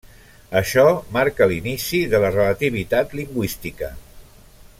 Això marca l’inici de la relativitat lingüística.